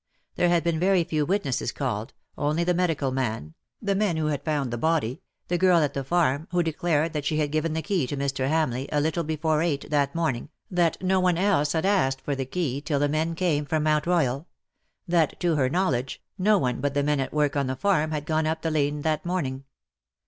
There had been very few witnesses called — only the medical man, the men who had found the body, the girl at the farm, who declared that she had given the key to Mr. Hamleigh a little before eight that morning, that no one else had asked for the key till the men came from Mount Royal — that, to her know ledge, no one but the men at work on the farm had gone up the lane that morning.